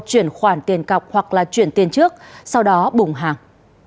chuyển khoản tiền cọc hoặc là chuyển tiền trước sau đó bùng hàng